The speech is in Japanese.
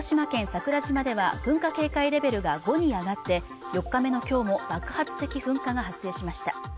桜島では噴火警戒レベルが５にあがって４日目のきょうも爆発的噴火が発生しました